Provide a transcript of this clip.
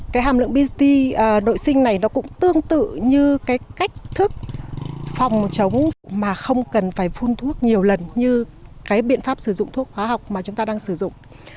cái hàm lượng bt nội sinh này nó cũng tương tự như cái cách thức phòng chống mà không cần phải phun thuốc nhiều lần như cái biện pháp sử dụng thuốc hóa học mà chúng ta đang sử dụng